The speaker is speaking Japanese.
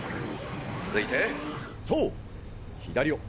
続いてそう左を。